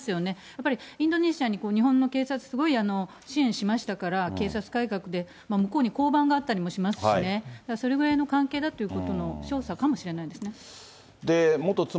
やっぱりインドネシアに日本の警察、すごい支援しましたから、警察改革で、向こうに交番があったりもしますし、それぐらいの関係だということのしょうさかもしれません。